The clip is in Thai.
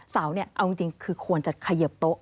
เสาเนี่ยเอาจริงคือควรจะเขยิบโต๊ะ